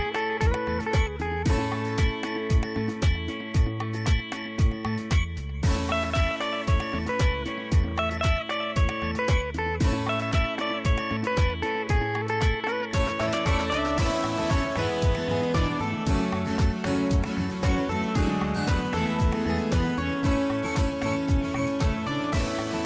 โปรดติดตามตอนต่อไป